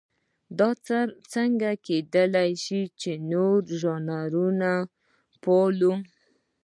دا څنګه کېدای شي چې ځینې ژانرونه پالو.